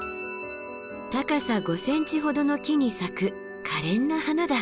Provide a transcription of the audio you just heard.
高さ５ｃｍほどの木に咲くかれんな花だ。